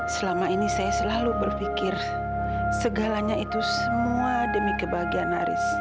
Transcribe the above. selama ini saya selalu berpikir segalanya itu semua demi kebahagiaan haris